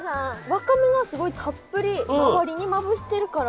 わかめがすごいたっぷり周りにまぶしてるから。